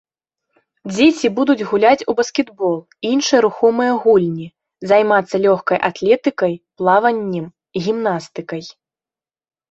Дзеці будуць гуляць у баскетбол і іншыя рухомыя гульні, займацца лёгкай атлетыкай, плаваннем, гімнастыкай.